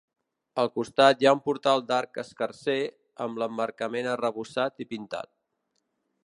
Al costat hi ha un portal d'arc escarser amb l'emmarcament arrebossat i pintat.